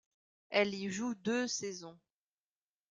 Elle y joue deux saisons.